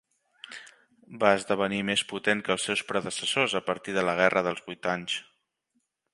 Va esdevenir més potent que els seus predecessors a partir de la guerra dels vuit anys.